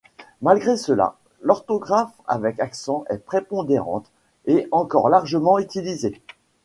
Malgré cela, l'orthographe avec accent est prépondérante, et encore largement utilisée.